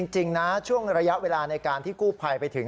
จริงนะช่วงระยะเวลาในการที่กู้ภัยไปถึง